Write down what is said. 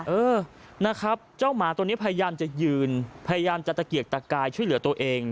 เออนะครับเจ้าหมาตัวนี้พยายามจะยืนพยายามจะตะเกียกตะกายช่วยเหลือตัวเอง